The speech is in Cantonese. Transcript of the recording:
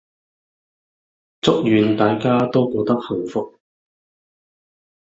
祝願大家都過得幸福